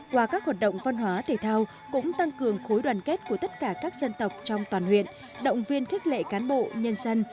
qua các hoạt động văn hóa thể thao cũng tăng cường khối đoàn kết của tất cả các dân tộc trong toàn huyện động viên khích lệ cán bộ nhân dân